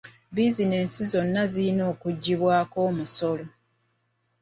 Bizinensi zonna zirina okugibwako omusolo.